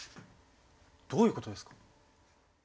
どういうことですか？